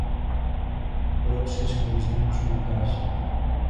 ρώτησε συλλογισμένος ο Λουκάς